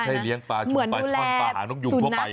ไม่ใช่เลี้ยงปลาช่วงปลาช่อนปลาหานุกยุมทั่วไป